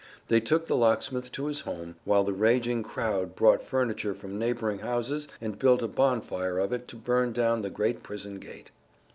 They took the locksmith to his home, while the raging crowd brought furniture from neighboring houses and built a bonfire of it to burn down the great prison gate.